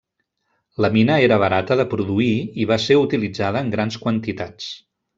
La mina era barata de produir, i va ser utilitzada en grans quantitats.